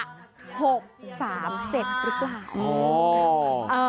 หรือเปล่า